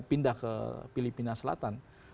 pindah ke filipina selatan